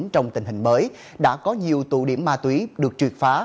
trong tình hình mới đã có nhiều tụ điểm ma túy được triệt phá